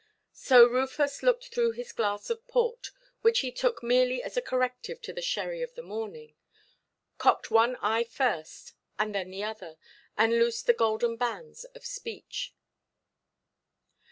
So Rufus looked through his glass of port, which he took merely as a corrective to the sherry of the morning, cocked one eye first, and then the other, and loosed the golden bands of speech.